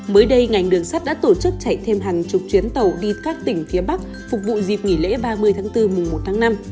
mới đây ngành đường sắt đã tổ chức chạy thêm hàng chục chuyến tàu đi các tỉnh phía bắc phục vụ dịp nghỉ lễ ba mươi tháng bốn mùa một tháng năm